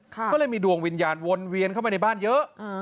ก็เลยมีดวงวิญญาณวนเวียนเข้ามาในบ้านเยอะ